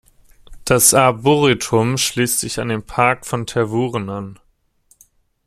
Das Arboretum schließt sich an den Park von Tervuren an.